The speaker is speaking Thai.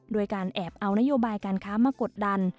โดยการแอบเอานโยบายการค้ามากดดัน